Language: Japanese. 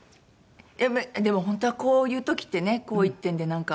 でも本当はこういう時ってね紅一点でなんか。